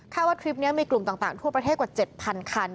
ว่าทริปนี้มีกลุ่มต่างทั่วประเทศกว่า๗๐๐คัน